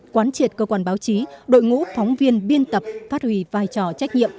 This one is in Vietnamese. quán triệt cơ quan báo chí đội ngũ phóng viên biên tập phát hủy vai trò trách nhiệm